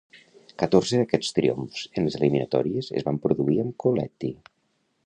Catorze d'aquests triomfs en les eliminatòries es van produir amb Colletti.